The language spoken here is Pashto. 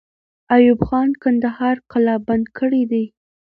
ایوب خان کندهار قلابند کړی دی.